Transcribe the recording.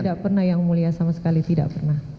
tidak pernah yang mulia sama sekali tidak pernah